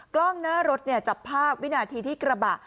กล้องหน้ารถจับภาพวินาทีที่กระบะ